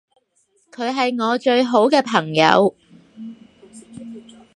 佢係我最好嘅朋友